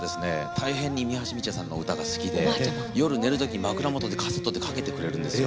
たいへんに三橋美智也さんの歌が好きで夜寝るときに枕元でカセットかけてくれるんですよ。